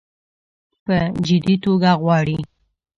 په جدي توګه غواړي.